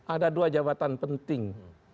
ada dua jawatan penting